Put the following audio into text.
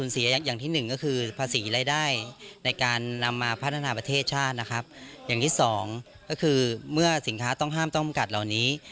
สินค้าต้องห้ามต้องกำกัดเหล่านี้